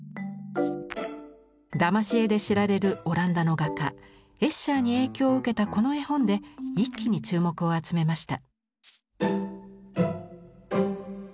だまし絵で知られるオランダの画家エッシャーに影響を受けたこの絵本で一気に注目を集めました。